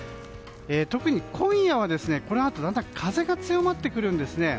特に今夜はこのあとだんだん風が強まってくるんですね。